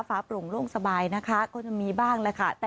ฟ้าปลงโล่งสบายนะคะก็จะมีบ้าง